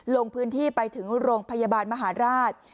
ลงพื้นที่ไปถึงโรงพยาบาลมหาราช